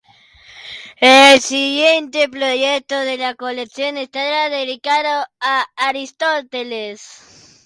El siguiente proyecto de la colección estará dedicado a Aristóteles.